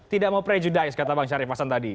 tidak mau prejudice kata bang syarif hasan tadi